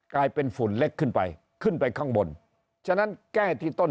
กลายเป็นฝุ่นเล็กขึ้นไปขึ้นไปข้างบนฉะนั้นแก้ที่ต้น